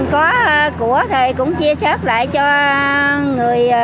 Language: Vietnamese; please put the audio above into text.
có của thì cũng chia sát lại cho người